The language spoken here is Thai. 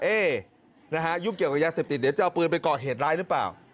ยุ่งเกี่ยวกับยาเสพติดเดี๋ยวจะเอาปืนไปก่อเหตุร้ายหรือเปล่า